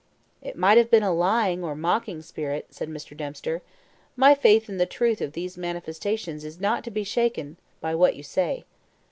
"It might have been a lying or mocking spirit," said Mr. Dempster; "my faith in the truth of these manifestations is not to be shaken by what you say."